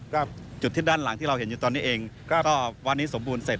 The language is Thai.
ก็จุดที่ด้านหลังที่เราเห็นอยู่ตอนนี้เองก็วันนี้สมบูรณ์เสร็จ